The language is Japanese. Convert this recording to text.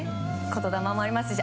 言霊もありますし。